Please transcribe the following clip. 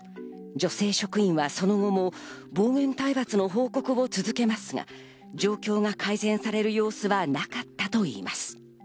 女性職員はその後も暴言、体罰の報告を続けますが、状況が改善される様子はなかったといいます。